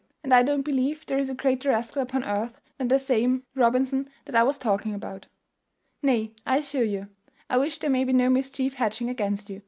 And I don't believe there is a greater rascal upon earth than that same Robinson that I was talking of. Nay, I assure you, I wish there may be no mischief hatching against you.